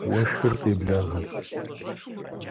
Уэшхыр къэблагъэрт.